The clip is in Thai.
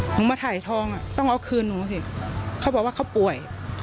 หนูมาถ่ายทองอ่ะต้องเอาคืนหนูสิเขาบอกว่าเขาป่วย